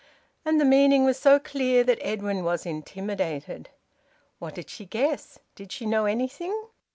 And the meaning was so clear that Edwin was intimidated. What did she guess? Did she know anything?